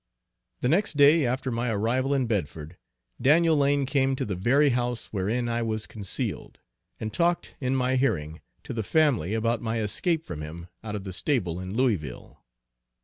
The next day after my arrival in Bedford, Daniel Lane came to the very house wherein I was concealed and talked in my hearing to the family about my escape from him out of the stable in Louisville.